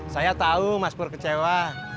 saya tahu mas pur kecewa